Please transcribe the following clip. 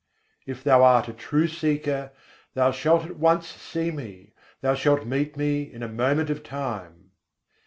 If thou art a true seeker, thou shalt at once see Me: thou shalt meet Me in a moment of time.